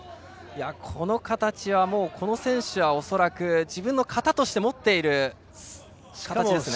この形、この選手は恐らく自分の型として持っている形ですね。